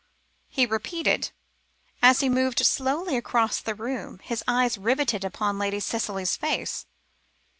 he repeated, as he moved slowly across the room, his eyes riveted upon Lady Cicely's face.